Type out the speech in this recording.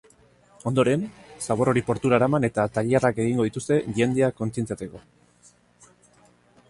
Ondoren, zabor hori portura eraman eta tailerrak egingo dituzte jendea konzienziatzeko.